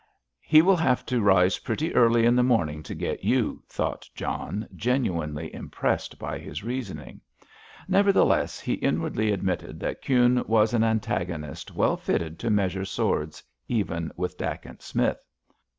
"He will have to rise pretty early in the morning to get you," thought John, genuinely impressed by his reasoning. Nevertheless, he inwardly admitted that Kuhne was an antagonist well fitted to measure swords even with Dacent Smith.